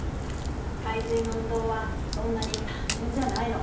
海水の運動はそんなに単純じゃないの。